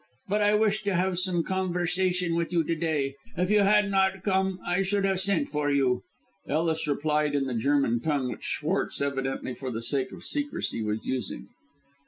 But I wished to have some conversation with you to day. If you had not come I should have sent for you." Ellis replied in the German tongue which Schwartz, evidently for the sake of secrecy, was using.